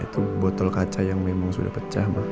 itu botol kaca yang memang sudah pecah